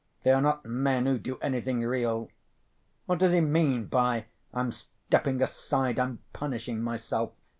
They are not men who do anything real. What does he mean by 'I'm stepping aside, I'm punishing myself?